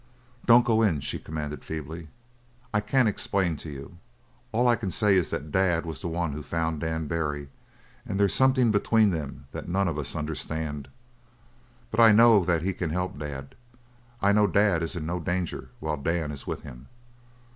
"Don't go in," she commanded feebly. "I can't explain to you. All I can say is that Dad was the one who found Dan Barry and there's something between them that none of us understand. But I know that he can help Dad. I know Dad is in no danger while Dan is with him."